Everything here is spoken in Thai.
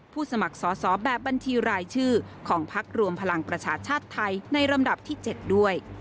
สมัครสอบแบบบัญชีรายชื่อของพักรวมพลังประชาชาติไทยในลำดับที่๗ด้วย